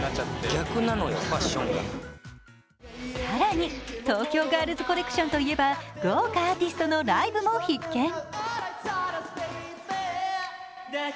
更に東京ガールズコレクションといえば、豪華アーティストのライブも必見。